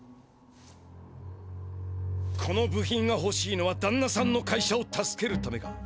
この部品がほしいのはだんなさんの会社を助けるためか？